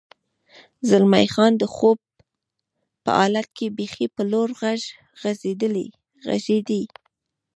زلمی خان: د خوب په حالت کې بېخي په لوړ غږ غږېدې.